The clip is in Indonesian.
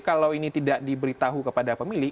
kalau ini tidak diberitahu kepada pemilih